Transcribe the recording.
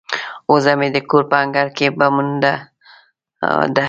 وزه مې د کور په انګړ کې په منډو ده.